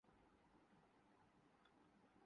آپ کو سمجھایا بھی تھا مگر آپ نے ظاہر کر دیا۔